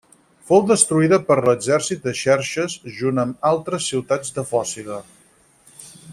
Fou destruïda per l'exèrcit de Xerxes junt amb altres ciutats de Fòcida.